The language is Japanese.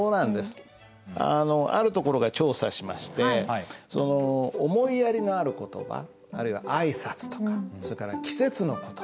あるところが調査しましてその思いやりのある言葉あるいは挨拶とかそれから季節の言葉。